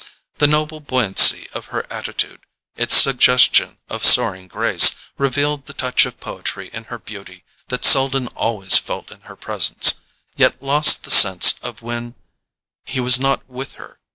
The noble buoyancy of her attitude, its suggestion of soaring grace, revealed the touch of poetry in her beauty that Selden always felt in her presence, yet lost the sense of when he was not with her.